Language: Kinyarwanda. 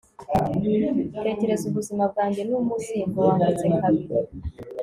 tekereza ubuzima bwanjye ni umuzingo wanditse kabiri